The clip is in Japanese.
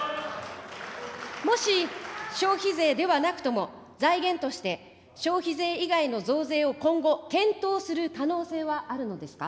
もし消費税ではなくとも、財源として、消費税以外の増税を今後、検討する可能性はあるのですか。